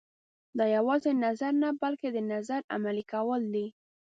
دا یوازې نظر نه بلکې د نظر عملي کول دي.